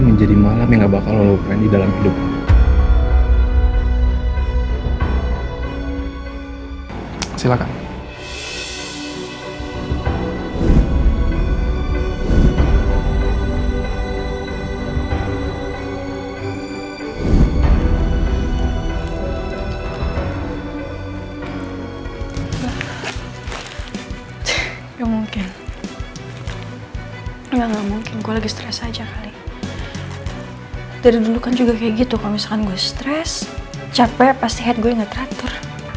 mulai sekarang aku harus bisa menerima kenyataan bahwa sebenarnya rena benar benar anaknya roy